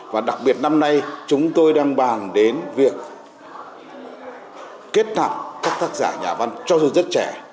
và đặc biệt năm nay chúng tôi đang bàn đến việc kết nạp các tác giả nhà văn cho dù rất trẻ